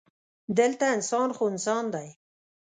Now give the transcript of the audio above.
دلته انسان خو انسان دی.